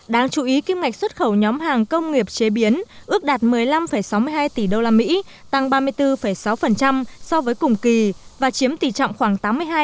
đáng chú ý kim ngạch xuất khẩu nhóm hàng công nghiệp chế biến ước đạt một mươi năm sáu mươi hai tỷ usd tăng ba mươi bốn sáu so với cùng kỳ và chiếm tỷ trọng khoảng tám mươi hai